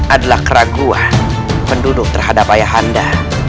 adalah keraguan penduduk terhadap ayahanda